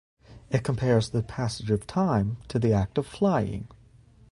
It compares the passage of time to the act of flying.